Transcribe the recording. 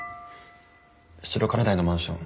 白金台のマンション